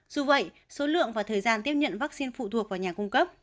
dù vậy số lượng và thời gian tiếp nhận vaccine phụ thuộc vào nhà cung cấp